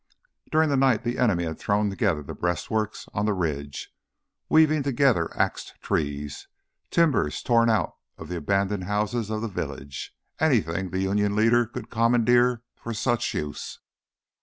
During the night the enemy had thrown together the breastworks on the ridge, weaving together axed trees, timbers torn out of the abandoned houses of the village anything the Union leader could commandeer for such use.